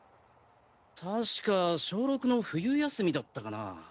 確か小６の冬休みだったかな？